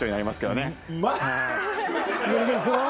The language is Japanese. すごい。